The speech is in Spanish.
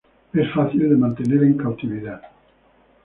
Es fácil de mantener en cautividad.